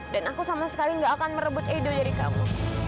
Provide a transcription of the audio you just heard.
dan aku sama sekali gak akan merebut edo dari kamu